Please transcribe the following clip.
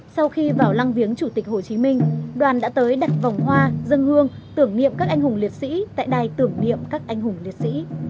sau khi vào lăng viếng chủ tịch hồ chí minh đoàn đã tới đặt vòng hoa dân hương tưởng niệm các anh hùng liệt sĩ tại đài tưởng niệm các anh hùng liệt sĩ